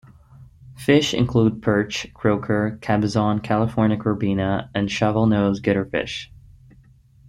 Fish include perch, croaker, cabezon, California corbina, and shovelnose guitarfish.